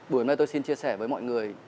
buổi hôm nay tôi xin chia sẻ với mọi người